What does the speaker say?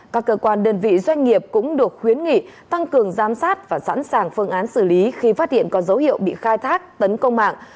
các cơ quan đơn vị doanh nghiệp cũng được khuyến nghị tăng cường giám sát và sẵn sàng phương án xử lý khi phát hiện có dấu hiệu bị khai thác tấn công mạng